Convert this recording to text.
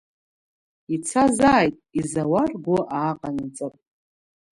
Ицазааит, изауа ргәы ааҟанаҵап.